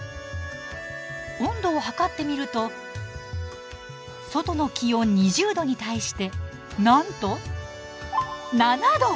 温度を測ってみると外の気温２０℃に対してなんと７℃。